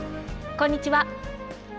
こんにちは。